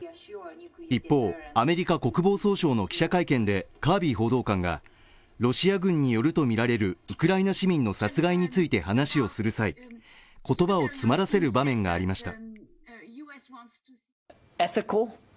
一方、アメリカ国防総省の記者会見でカービー報道官がロシア軍によるとみられるウクライナ市民の殺害について話をする際、言葉を詰まらせる場面がありました。